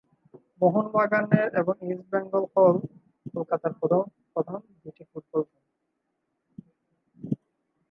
মোহন বাগানের এবং East Bengal হল কলকাতার প্রধান দুই ফুটবল দল।